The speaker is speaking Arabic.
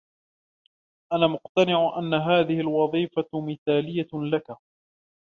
أنا مقتنع أن هذه الوظيفة مثالية لك.